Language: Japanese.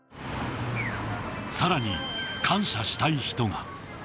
さらに感謝したい人が。